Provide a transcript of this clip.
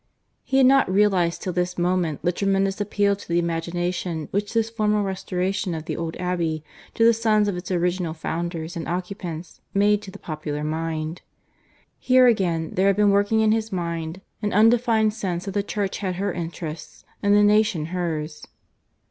He had not realized till this moment the tremendous appeal to the imagination which this formal restoration of the old Abbey to the sons of its original founders and occupants made to the popular mind. Here again there had been working in his mind an undefined sense that the Church had her interests, and the nation hers.